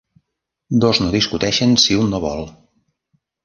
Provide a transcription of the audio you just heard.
Dos no discuteixen si un no vol.